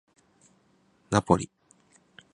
ナポリ